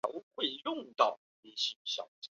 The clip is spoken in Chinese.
软体定义广域网路。